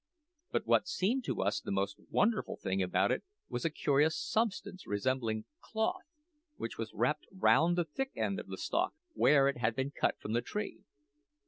But what seemed to us the most wonderful thing about it was a curious substance resembling cloth, which was wrapped round the thick end of the stalk where it had been cut from the tree.